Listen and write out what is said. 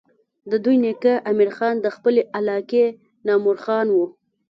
د دوي نيکه امير خان د خپلې علاقې نامور خان وو